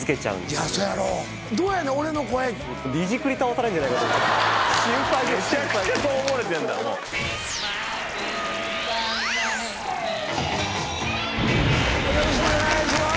よろしくお願いします。